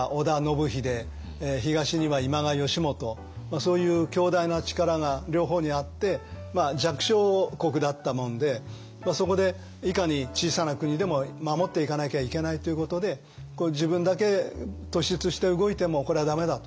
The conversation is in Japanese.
そういう強大な力が両方にあって弱小国だったもんでそこでいかに小さな国でも守っていかなきゃいけないということで自分だけ突出して動いてもこれは駄目だと。